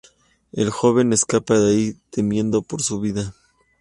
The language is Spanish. El joven escapa de ahí temiendo por su vida.